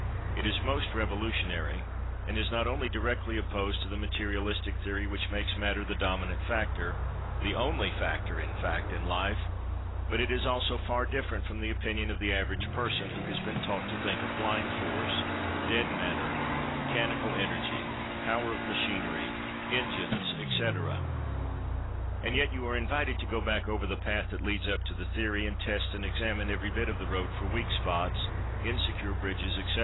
It is most revolutionary, and is not only directly opposed to the Materialistic theory which makes Matter the dominant factor—the only factor, in fact—in Life; but it is also far different from the opinion of the average person who has been taught to think of "blind force," "dead matter," "mechanical energy," "power of machinery, engines," etc. And yet, you are invited to go back over the path that leads up to the theory, and test and examine every bit of the road for weak spots—insecure bridges, etc.